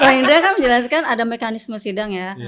pak indra kan menjelaskan ada mekanisme sidang ya